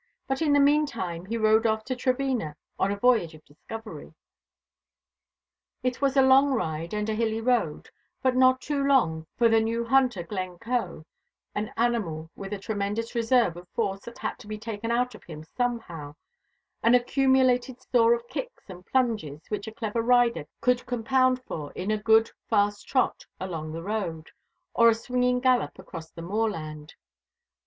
But in the mean time he rode off to Trevena on a voyage of discovery. It was a long ride, and a hilly road, but not too long for the new hunter Glencoe, an animal with a tremendous reserve of force that had to be taken out of him somehow, an accumulated store of kicks and plunges which a clever rider could compound for in a good fast trot along the road, or a swinging gallop across the moorland.